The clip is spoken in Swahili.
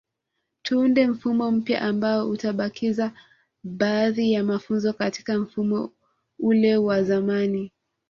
Tuunde mfumo mpya ambao utabakiza baadhi ya mafunzo katika mfumo ule wa zamani